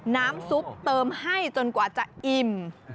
น้ำซุปเติมให้จนกว่าจะอิ่ม